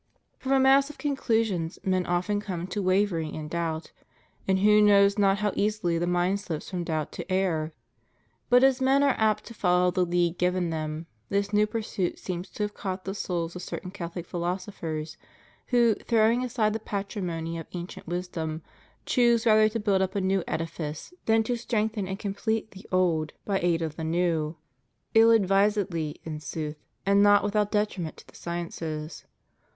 From a mass of conclusions men often come to wavering and doubt; and who knows not how easily the mind slips from doubt to error? But as men are apt to follow the lead given them, this new pursuit seems to have caught the souls of certain Catholic philosophers,, who, throwing aside the patrimony of ancient wisdom, chose rather to build up a new edifice than to strengthen and complete the old by aid of the new — ^ill advisedly, in sooth, and not without detriment to the sciences.